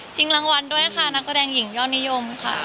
รางวัลด้วยค่ะนักแสดงหญิงยอดนิยมค่ะ